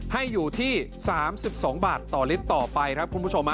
ให้อยู่ที่๓๒บาทต่อลิตรต่อไปครับคุณผู้ชม